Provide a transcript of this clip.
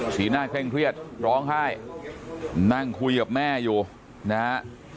หน้าเคร่งเครียดร้องไห้นั่งคุยกับแม่อยู่นะฮะ